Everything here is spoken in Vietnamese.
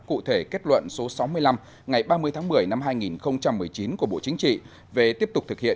cụ thể kết luận số sáu mươi năm ngày ba mươi tháng một mươi năm hai nghìn một mươi chín của bộ chính trị về tiếp tục thực hiện